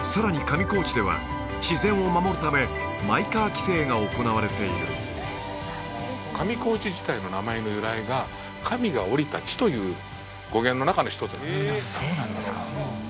上高地では自然を守るためマイカー規制が行われている上高地自体の名前の由来が神が降りた地という語源の中の１つになりますそうなんですか